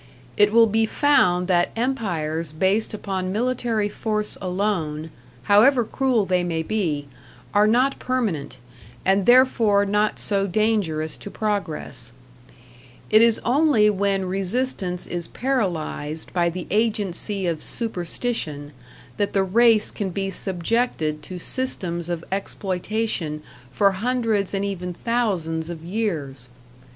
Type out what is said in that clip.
It will be found that empires based upon military force alone, however cruel they may be, are not permanent, and therefore not so dangerous to progress; it is only when resistance is paralyzed by the agency of Superstition, that the race can be subjected to systems of exploitation for hundreds and even thousands of years.